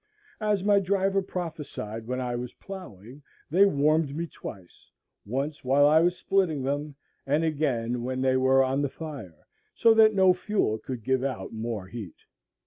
As my driver prophesied when I was ploughing, they warmed me twice, once while I was splitting them, and again when they were on the fire, so that no fuel could give out more heat.